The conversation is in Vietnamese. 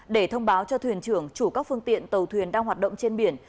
để thông báo cho thuyền trưởng chủ các phương tiện tàu thuyền đang hoạt động trên biển